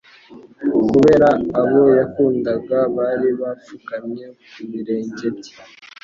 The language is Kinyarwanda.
kubera abo yakundaga, bari bapfukamye ku birenge bye